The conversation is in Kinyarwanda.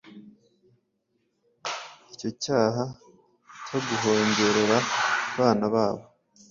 icyo cyaha cyo guhongereraabana babo